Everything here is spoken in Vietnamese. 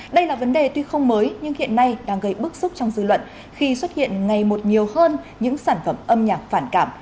đây là vấn đề tuy không mới nhưng hiện nay đang gây bức xúc trong dư luận khi xuất hiện ngày một nhiều hơn những sản phẩm âm nhạc phản cảm